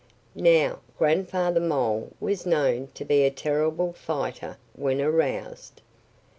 Now, Grandfather Mole was known to be a terrible fighter when aroused.